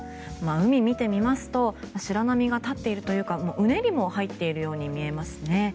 海を見てみますと白波が立っているというかうねりも入っているように見えますね。